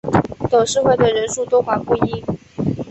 董事会的人数多寡不一。